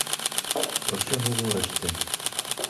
Про що говориш ти?